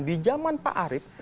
di jaman pak arief